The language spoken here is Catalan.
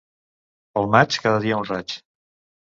Pel maig, cada dia un raig!